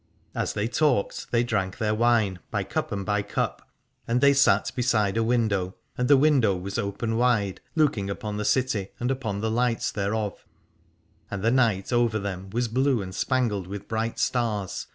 And as they talked they drank their wine, by cup and by cup : and they sat beside a window, and the window was open wide, looking upon the city and upon the lights thereof, and the night over them was blue and spangled with bright stars.